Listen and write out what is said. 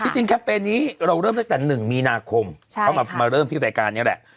จริงจริงแค่เป็นนี้เราเริ่มได้แต่หนึ่งมีนาคมใช่ค่ะเขามามาเริ่มที่รายการนี้แหละ